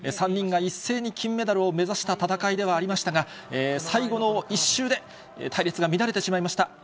３人が一斉に金メダルを目指した戦いではありましたが、最後の１周で、隊列が乱れてしまいました。